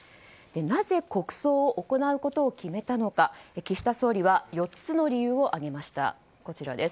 なぜ国葬を行うことを決めたのか岸田総理は４つの理由を挙げました。